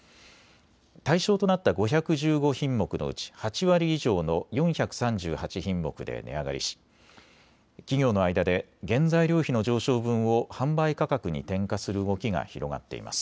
対象となった５１５品目のうち８割以上の４３８品目で値上がりし企業の間で原材料費の上昇分を販売価格に転嫁する動きが広がっています。